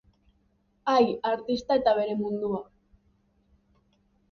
Ai, artista eta bere mundua.